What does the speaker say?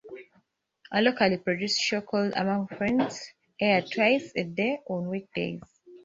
A locally produced show called "Among Friends" aired twice a day on weekdays.